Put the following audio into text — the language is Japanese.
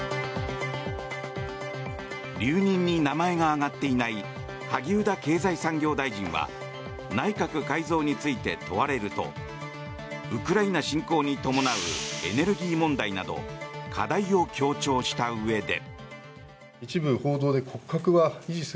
留任に名前が挙がっていない萩生田経済産業大臣は内閣改造について問われるとウクライナ侵攻に伴うエネルギー問題など課題を強調したうえで。